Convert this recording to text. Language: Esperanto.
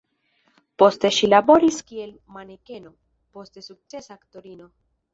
Poste ŝi laboris kiel manekeno, poste sukcesa aktorino.